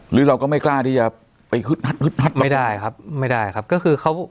หรือเราก็ไม่กล้าที่จะไปฮึดฮัดฮึดฮัดไม่ได้ครับไม่ได้ครับก็คือเขา